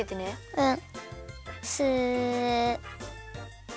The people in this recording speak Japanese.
うん。